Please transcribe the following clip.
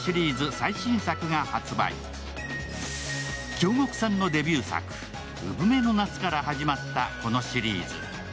京極さんのデビュー作、「姑獲鳥の夏」から始まったこのシリーズ。